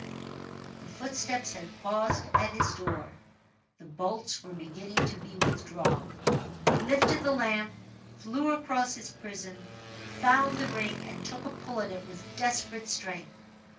The footsteps had paused at his door. The bolts were beginning to be withdrawn. He lifted the lamp, flew across his prison, found the ring, and took a pull at it with desperate strength.